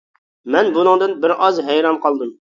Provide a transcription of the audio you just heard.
مەن بۇنىڭدىن بىر ئاز ھەيران قالدىم.